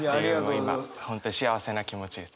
今本当に幸せな気持ちです。